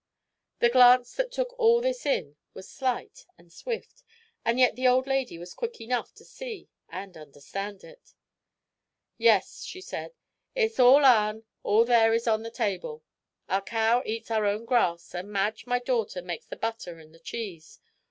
The glance that took all this in was slight and swift, and yet the old lady was quick enough to see and understand it. "Yes," she said, "it's all our'n, all there is on the table. Our cow eats our own grass, and Madge, my daughter, makes the butter and the cheese.